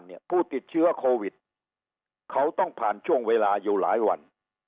ผู้ติดเชื้อโควิดเขาต้องผ่านช่วงเวลาอยู่หลายวัน